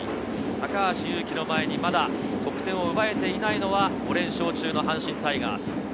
高橋優貴の前にまだ得点を奪えていないのは５連勝中の阪神タイガース。